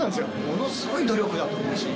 ものすごい努力だと思うし。